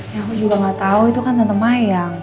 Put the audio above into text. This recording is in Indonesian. ya aku juga gak tau itu kan tante mayang